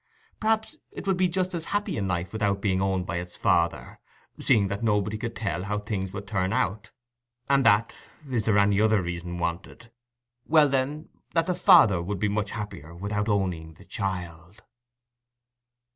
Perhaps it would be just as happy in life without being owned by its father, seeing that nobody could tell how things would turn out, and that—is there any other reason wanted?—well, then, that the father would be much happier without owning the child.